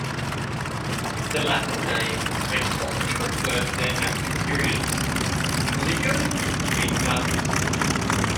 The Latin name may possibly refer to their active periods; "caligo" means darkness.